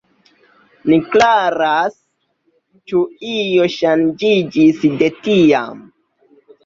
Ne klaras, ĉu io ŝanĝiĝis de tiam.